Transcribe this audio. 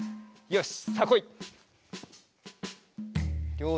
よし。